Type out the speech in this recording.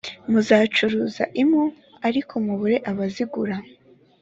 muzacuruza impu ariko mubure ubazigura!»